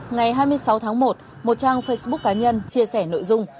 ngày hai mươi sáu tháng một một trang facebook cá nhân chia sẻ nội dung